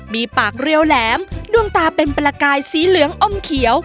มีปากเรียวแหลมดวงตาเป็นประกายสีเหลืองอมเขียว